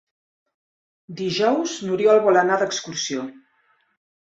Dijous n'Oriol vol anar d'excursió.